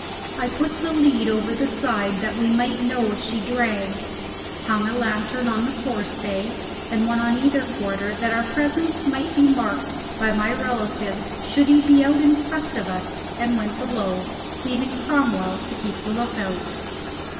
I put the lead over the side that we might know if she dragged, hung a lantern on the forestay and one on either quarter that our presence might be marked by my relative should he be out in quest of us, and went below, leaving Cromwell to keep the look out.